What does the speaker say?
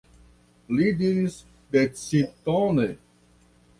li diris decidtone.